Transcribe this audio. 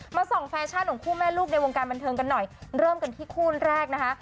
ส่องแฟชั่นของคู่แม่ลูกในวงการบันเทิงกันหน่อยเริ่มกันที่คู่แรกนะคะ